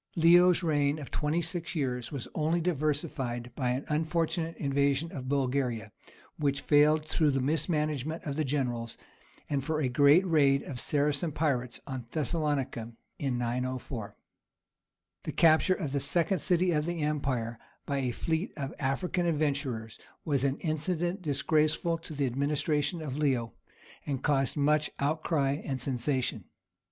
Leo's reign of twenty six years was only diversified by an unfortunate invasion of Bulgaria, which failed through the mismanagement of the generals, and for a great raid of Saracen pirates on Thessalonica in 904. The capture of the second city of the empire by a fleet of African adventurers was an incident disgraceful to the administration of Leo, and caused much outcry and sensation.